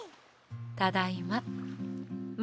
ただいま。